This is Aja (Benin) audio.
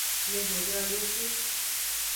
Le hojradoxu.